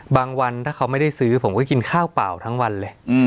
วันถ้าเขาไม่ได้ซื้อผมก็กินข้าวเปล่าทั้งวันเลย